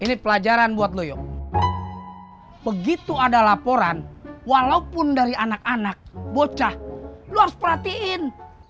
ini pelajaran buat loyo begitu ada laporan walaupun dari anak anak bocah lo harus perhatiin